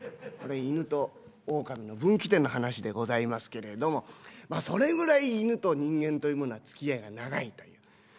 これ犬と狼の分岐点の話でございますけれどもまあそれぐらい犬と人間というものはつきあいが長いという。